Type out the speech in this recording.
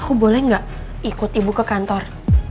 aku boleh nggak ikut ibu ke kantor